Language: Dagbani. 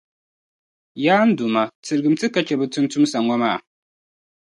Yaa n Duuma! Tilgimti ka chɛ bɛ tuuntumsa ŋɔ maa.